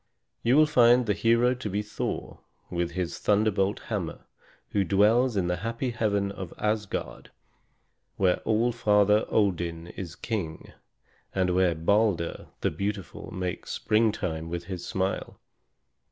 You will find the hero to be Thor, with his thunderbolt hammer, who dwells in the happy heaven of Asgard, where All Father Odin is king, and where Balder the beautiful makes springtime with his smile.